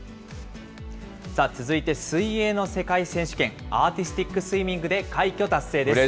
続いて、水泳の世界選手権、アーティスティックスイミングで快挙達成です。